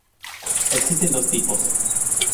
Existen dos tipos.